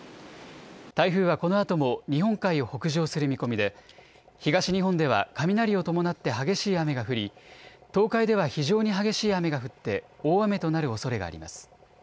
台風はこのあとも日本海を北上する見込みで東日本では雷を伴って激しい雨が降り東海では非常に激しい雨が降って大雨となるおそれがあります。